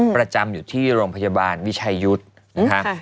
ประจำอยู่ที่โรงพยาบาลวิชายุทธิ์